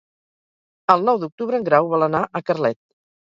El nou d'octubre en Grau vol anar a Carlet.